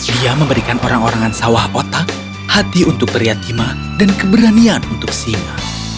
dia memberikan orang orangan sawah otak hati untuk pria timah dan keberanian untuk singa